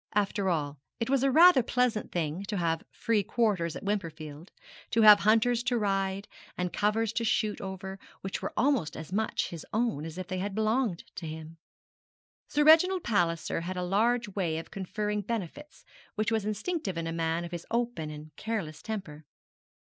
After all it was a rather pleasant thing to have free quarters at Wimperfield, to have hunters to ride, and covers to shoot over which were almost as much his own as if they had belonged to him. Sir Reginald Palliser had a large way of conferring benefits, which was instinctive in a man of his open and careless temper.